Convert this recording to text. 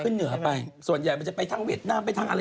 ขึ้นเหนือไปส่วนใหญ่มันจะไปทั้งเวียดนามไปทั้งอะไร